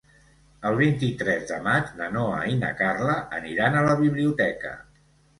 El vint-i-tres de maig na Noa i na Carla aniran a la biblioteca.